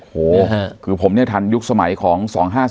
โอ้โหคือผมเนี่ยทันยุคสมัยของ๒๕๔